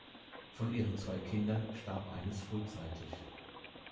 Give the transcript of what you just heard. Von ihren zwei Kindern starb eines frühzeitig.